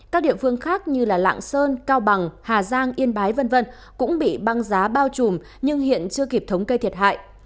các địa phương khác như lạng sơn cao bằng hà giang yên bái v v cũng bị băng giá bao trùm nhưng hiện chưa kịp thống kê thiệt hại